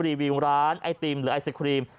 รีวิวร้านไอติมหรือไอศครีม